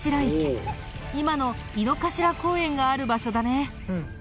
今の井の頭公園がある場所だね。